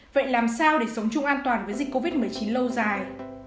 vậy làm sao để sống chung an toàn với dịch covid một mươi chín lâu dài